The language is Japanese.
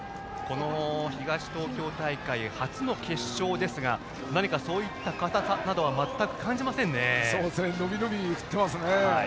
東東京大会初の決勝ですが何かそういった硬さなどは伸び伸び振ってますね。